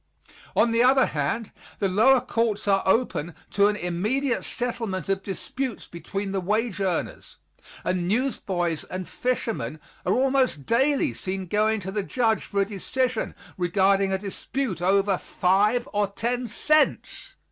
On the other hand, the lower courts are open to an immediate settlement of disputes between the wage earners, and newsboys and fishermen are almost daily seen going to the judge for a decision regarding a dispute over five or ten cents.